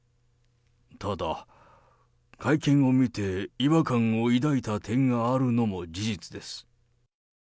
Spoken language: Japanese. ただ、会見を見て、違和感を抱いた点があるのも事実です。